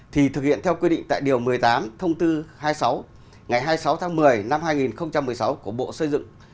thì thực hiện theo quy định tại điều một mươi tám thông tư hai mươi sáu ngày hai mươi sáu tháng một mươi năm hai nghìn một mươi sáu của bộ xây dựng